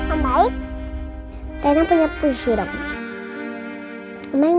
om baik reina punya puisi dong om baik mau denger gak oh ya mana mana